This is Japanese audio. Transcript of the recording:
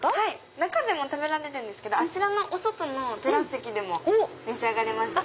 中でも食べられるんですけど外のテラス席でも召し上がれます。